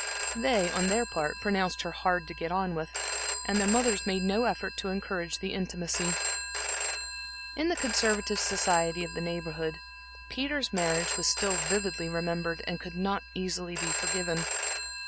They, on their part pronounced her hard to get on with, and their mothers made no effort to encourage the intimacy. In the conservative society of the Neighborhood, Peter's marriage was still vividly remembered, and could not easily be forgiven.